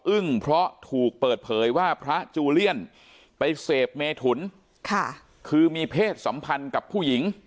เพราะถูกเปิดเผยว่าพระจูเลียนไปเสพเมถุนค่ะคือมีเพศสัมพันธ์กับผู้หญิง